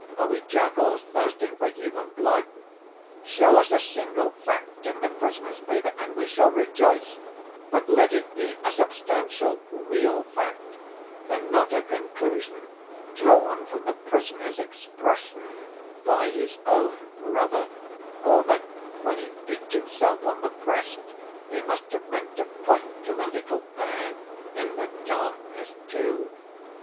Are we jackals thirsting for human blood? Show us a single fact in the prisoner's favor and we shall rejoice; but let it be a substantial, real fact, and not a conclusion drawn from the prisoner's expression by his own brother, or that when he beat himself on the breast he must have meant to point to the little bag, in the darkness, too.